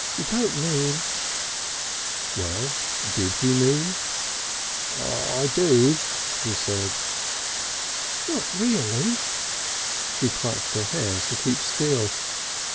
"You don't mean " Well, did he mean? "I do!" he said. "Not reely!" She clenched her hands to keep still.